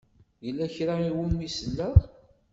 Yella kra i wumi selleɣ.